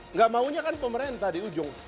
nggak maunya kan pemerintah di ujung